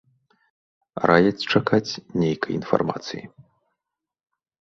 Раяць чакаць нейкай інфармацыі.